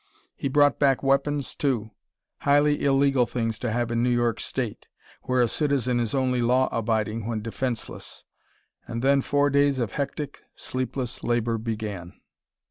He brought back weapons, too highly illegal things to have in New York State, where a citizen is only law abiding when defenseless. And then four days of hectic, sleepless labor began.